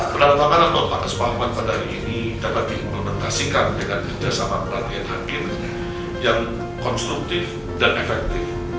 berantakanan nota kesepakaman pada hari ini dapat diimplementasikan dengan kerjasama peranian hakim yang konstruktif dan efektif